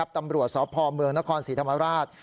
ตำรวจสพเมืองนครศรีธรรมราช